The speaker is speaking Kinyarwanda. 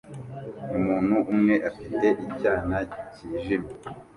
Umuntu umwe afite icyana cyijimye